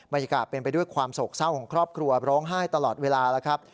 บรรยากาศเป็นไปด้วยความโศกเศร้าของครอบครัวร้องไห้ตลอดเวลาแล้วครับ